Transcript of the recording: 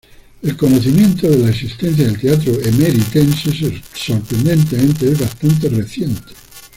El conocimiento de la existencia del teatro emeritense, sorprendentemente, es bastante reciente.